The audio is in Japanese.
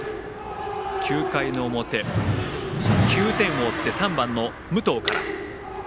９回の表、９点を追って３番の武藤から。